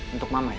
untuk mama ya